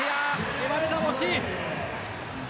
エバデダン、惜しい。